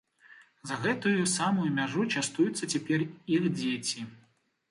За гэту самую мяжу частуюцца цяпер іх дзеці.